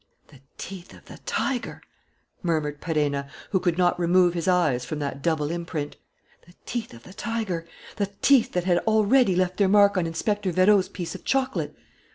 "The teeth of the tiger!" murmured Perenna, who could not remove his eyes from that double imprint. "The teeth of the tiger! The teeth that had already left their mark on Inspector Vérot's piece of chocolate!